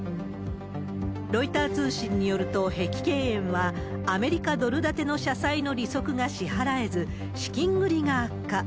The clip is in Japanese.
ロイター通信によると碧桂園は、アメリカドル建ての社債の利息が支払えず、資金繰りが悪化。